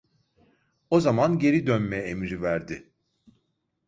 O zaman geri dönme emri verdi.